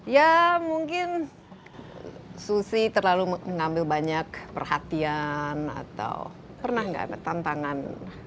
ya mungkin susi terlalu mengambil banyak perhatian atau pernah nggak ada tantangan